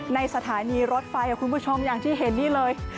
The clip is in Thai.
สถานีรถไฟคุณผู้ชมอย่างที่เห็นนี่เลย